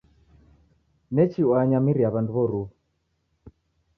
Nechi wanyamiria w'andu w'oruw'u.